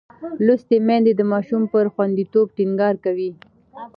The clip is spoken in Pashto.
لوستې میندې د ماشوم پر خوندیتوب ټینګار کوي.